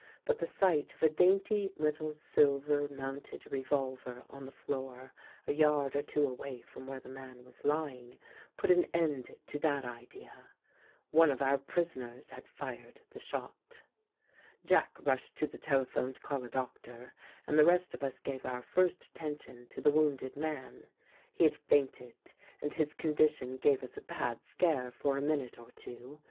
But the sight of a dainty little silver mounted revolver on the floor, a yard or two away from where the man was lying, put an end to that idea. One of our prisoners had fired the shot. Jack rushed to the telephone to call a doctor and the rest of us gave our first attention to the wounded man. He had fainted and his condition gave us a bad scare for a minute or two.